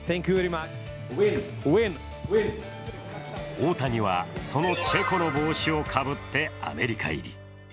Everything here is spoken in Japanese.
大谷は、そのチェコの帽子をかぶってアメリカ入り。